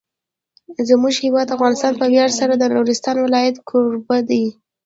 زموږ هیواد افغانستان په ویاړ سره د نورستان ولایت کوربه دی.